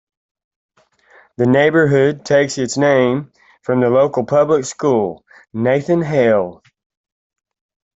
The neighborhood takes its name from the local public school, Nathan Hale.